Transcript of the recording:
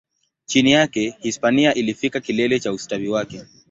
Chini yake, Hispania ilifikia kilele cha ustawi wake.